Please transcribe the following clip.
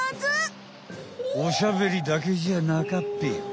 おしゃべりだけじゃなかっぺよ。